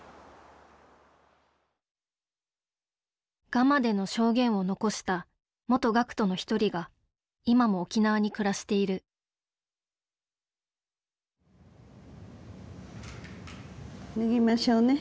ガマでの証言を残した元学徒の一人が今も沖縄に暮らしている脱ぎましょうね。